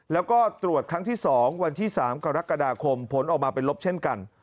แล้วก็ตรวจครั้งที่๒วันที่๓กรกฎาคมผลออกมาเป็นลบเช่นกัน